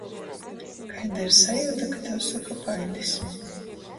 Kaida ir sajiuta, ka tev soka paļdis?